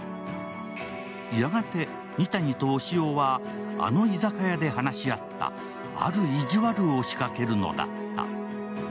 やがて二谷と押尾はあの居酒屋で話し合ったある意地悪を仕掛けるのだった。